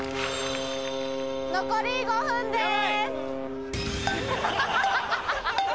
残り５分です！